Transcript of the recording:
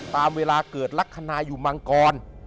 ตามเวลาเกิดลักษณะอยู่มังกร